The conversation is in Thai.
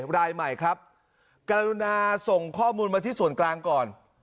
รายใหม่ครับกรุณาส่งข้อมูลมาที่ส่วนกลางก่อน